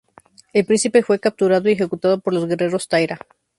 El príncipe fue capturado y ejecutado por los guerreros Taira.